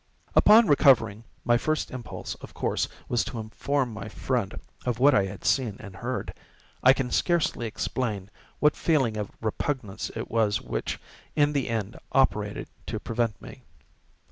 Upon recovering, my first impulse, of course, was to inform my friend of what I had seen and heard—and I can scarcely explain what feeling of repugnance it was which, in the end, operated to prevent me.